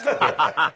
ハハハハ！